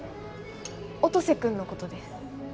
音瀬君のことです